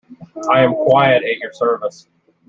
I am quite at your service.